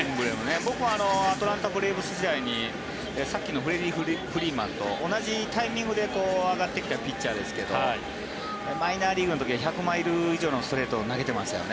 僕はアトランタ・ブレーブス時代にさっきのフリーマンと同じタイミングで上がってきたピッチャーですが１００マイル以上のストレートを投げていましたよね。